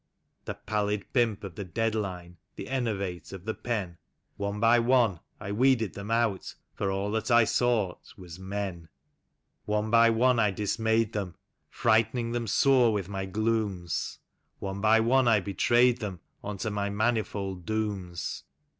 The pallid pimp of the dead line, the enervate of the pen. One by one I weeded them out, for all that I sought was — Men. One by one I dismayed them, frighting them sore with my glooms; One by one I betrayed them unto my manifold dooms.